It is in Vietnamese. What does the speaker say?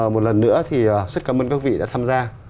một lần nữa thì rất cảm ơn các vị đã tham gia